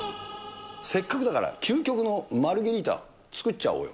せっかくだから、究極のマルゲリータ、作っちゃおうよ。